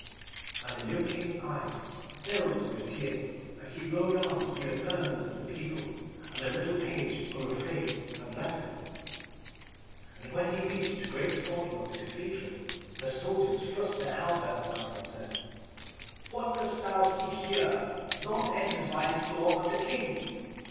And the young King's eyes filled with tears, and he rode on through the murmurs of the people, and the little page grew afraid and left him. And when he reached the great portal of the cathedral, the soldiers thrust their halberts out and said, 'What dost thou seek here? None enters by this door but the King.